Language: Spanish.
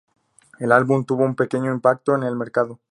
El álbum tuvo un pequeño impacto en el mercado.